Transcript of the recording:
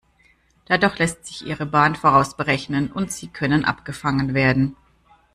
Dadurch lässt sich ihre Bahn vorausberechnen und sie können abgefangen werden.